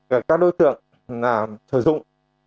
các đối tượng sử dụng